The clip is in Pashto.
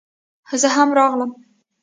زه هم راغلم